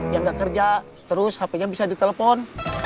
yang gak kerja terus hapenya bisa ditelepon